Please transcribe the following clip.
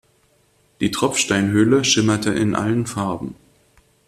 Die Tropfsteinhöhle schimmerte in allen Farben.